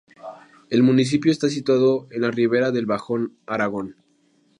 El municipio está situado en la Ribera del Bajo Aragón.